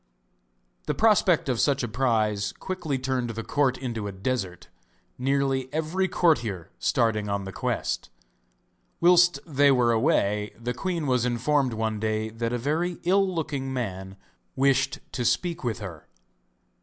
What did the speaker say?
The prospect of such a prize quickly turned the court into a desert, nearly every courtier starting on the quest. Whilst they were away the queen was informed one day that a very ill looking man wished to speak with her.